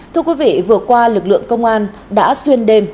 thưa quý vị vừa qua lực lượng công an đã xuyên đêm